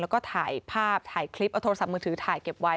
แล้วก็ถ่ายภาพถ่ายคลิปเอาโทรศัพท์มือถือถ่ายเก็บไว้